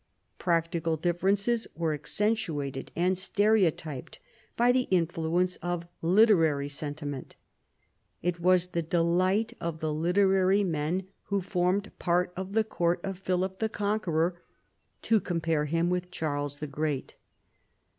Practical differences were accentuated and stereotyped by the influence of literary sentiment. It was the delight of the literary men who formed part of the court of Philip the Conqueror to compare him with Charles the Great.